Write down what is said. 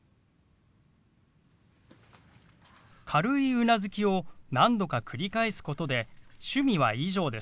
軽いうなずきを何度か繰り返すことで「趣味は以上です」